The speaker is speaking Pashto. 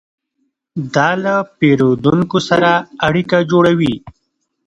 دا له پیرودونکو سره اړیکه جوړوي.